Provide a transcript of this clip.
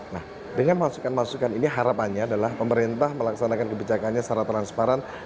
nah dengan masukan masukan ini harapannya adalah pemerintah melaksanakan kebijakannya secara transparan